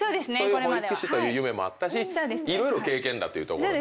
保育士という夢もあったし色々経験だっていうところで。